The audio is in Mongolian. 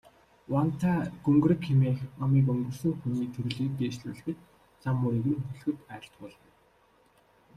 Вантай гүнгэрэг хэмээх номыг өнгөрсөн хүний төрлийг дээшлүүлэхэд, зам мөрийг нь хөтлөхөд айлтгуулна.